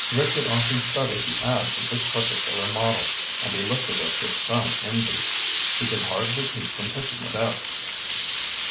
Rick had often studied the ads of this particular model, and he looked at it with some envy. He could hardly keep from picking it up.